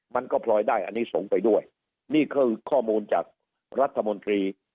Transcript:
มันก็พลอยได้อันนี้สงฆ์ไปด้วยนี่คือข้อมูลจากรัฐมนตรี